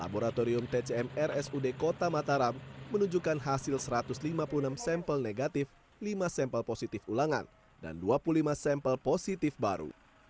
laboratorium tcm rsud kota mataram menunjukkan hasil satu ratus lima puluh enam sampel negatif lima sampel positif ulangan dan dua puluh lima sampel positif baru